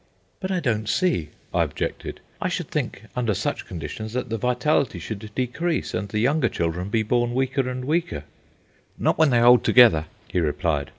"But I don't see," I objected. "I should think, under such conditions, that the vitality should decrease and the younger children be born weaker and weaker." "Not when they hold together," he replied.